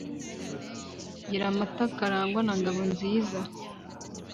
giramata, karangwa na ngabonziza